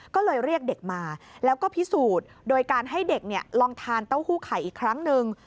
ก็เลยเรียกเด็กมาแล้วก็พิสูจน์โดยการให้เด็กลองทานเต้าหู้ไข่อีกครั้งหนึ่ง